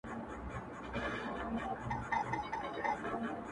ماته په اورغوي کي ازل موجونه کښلي وه-